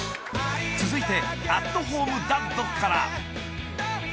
［続いて『アットホーム・ダッド』から］